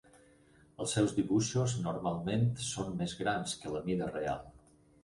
Els seus dibuixos normalment són més grans que la mida real.